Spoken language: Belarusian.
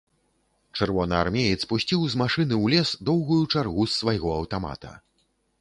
Чырвонаармеец пусціў з машыны ў лес доўгую чаргу з свайго аўтамата.